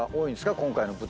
今回の舞台って。